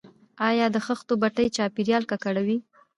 آیا د خښتو بټۍ چاپیریال ککړوي؟